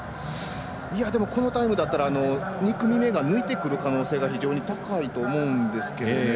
でも、このタイムだったら２組目が抜いてくる可能性が非常に高いと思うんですけどね。